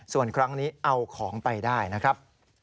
ส่วนครั้งนี้เอาของไปได้นะครับ